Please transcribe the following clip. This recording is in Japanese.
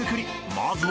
まずは］